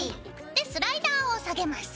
ＯＫ！でスライダーを下げます。